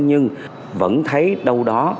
nhưng vẫn thấy đâu đó